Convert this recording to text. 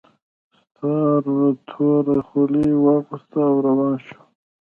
ستار توره خولۍ واغوسته او روان شو